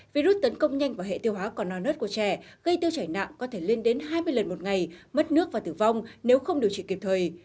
virus tấn công nhanh vào hệ tiêu hóa còn non nớt của trẻ gây tiêu chảy nặng có thể lên đến hai mươi lần một ngày mất nước và tử vong nếu không điều trị kịp thời